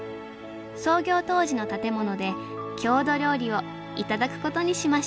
創業当時の建物で郷土料理を頂くことにしました